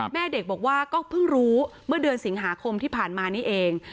แม่เด็กบอกว่าก็เพิ่งรู้เมื่อเดือนสิงหาคมที่ผ่านมานี่เอง